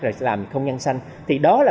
rồi làm không nhân xanh thì đó là